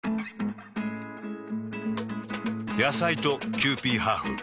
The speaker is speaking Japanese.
野菜とキユーピーハーフ。